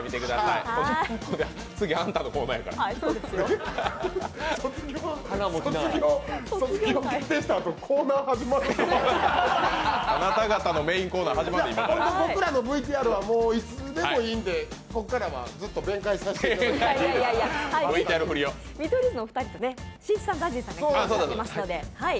いや、僕らのＶＴＲはいつでもいいんで、ここからはずっと弁解させてください。